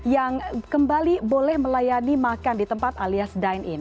yang kembali boleh melayani makan di tempat alias dine in